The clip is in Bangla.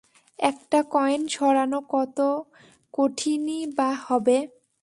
একটা কয়েন সরানো কত কঠিনই বা হবে?